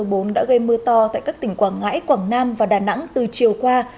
bão đã gây mưa to tại các tỉnh quảng ngãi quảng nam và đà nẵng từ chiều qua